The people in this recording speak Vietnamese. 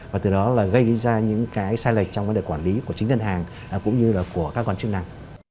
và từ đó là gây ra những cái sai lệch trong vấn đề quản lý của chính ngân hàng cũng như là của các quan chức năng